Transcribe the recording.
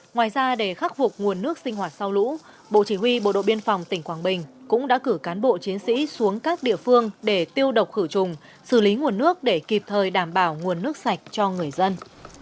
ngoài ra để khắc phục nguồn nước sinh hoạt sau lũ bộ chỉ huy bộ đội biên phòng tỉnh quảng bình cũng đã cử cán bộ chiến sĩ xuống các địa phương để tiêu độc khử trùng xử lý nguồn nước để kịp thời đảm bảo nguồn nước sạch cho người dân